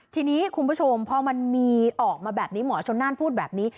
ทีนี้คุณผู้ชมพอมันมีออกมาแบบนี้หมอชนน่านพูดแบบนี้